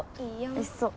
おいしそう。